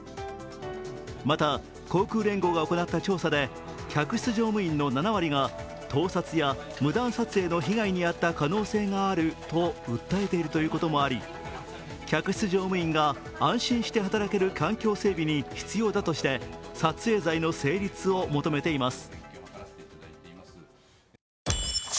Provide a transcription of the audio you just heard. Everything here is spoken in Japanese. また航空連合が行った調査で客室乗務員の７割が盗撮や無断撮影の被害に遭った可能性があると訴えているということもあり客室乗務員が安心して働ける環境整備に必要だとして撮影罪の成立を求めています。